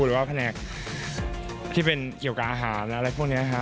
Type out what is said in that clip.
หรือว่าแผนกที่เป็นเกี่ยวกับอาหารอะไรพวกนี้ฮะ